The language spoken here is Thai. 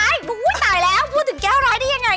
ตายแล้วพูดถึงแก้วร้ายได้ยังไง